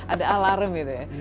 ada alarm gitu ya